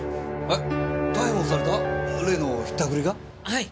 はい。